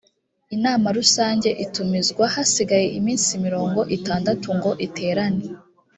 inama rusange itumizwa hasigaye iminsi mirongo itandatu ngo iterane